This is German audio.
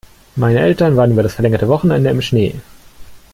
Meine Eltern waren über das verlängerte Wochenende im Schnee.